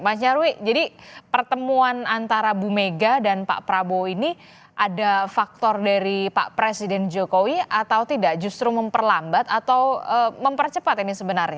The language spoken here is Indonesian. mas nyarwi jadi pertemuan antara bu mega dan pak prabowo ini ada faktor dari pak presiden jokowi atau tidak justru memperlambat atau mempercepat ini sebenarnya